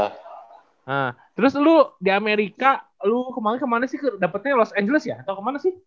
nah terus lu di amerika lu kemarin kemarin sih dapetnya los angeles ya atau kemana sih